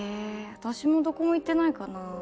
私もどこも行ってないかな。